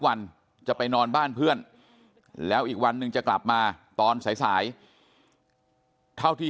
วันจะไปนอนบ้านเพื่อนแล้วอีกวันหนึ่งจะกลับมาตอนสายเท่าที่